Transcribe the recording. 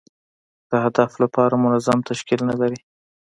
د هدف لپاره منظم تشکیل نه لري.